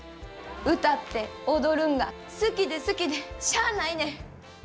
歌って踊るんが、好きで好きでしゃあないねん。